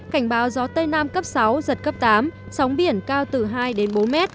cảnh báo gió tây nam cấp sáu giật cấp tám sóng biển cao từ hai bốn m